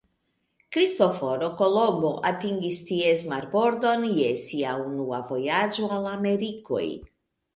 Kristoforo Kolumbo atingis ties marbordon je sia unua vojaĝo al Amerikoj.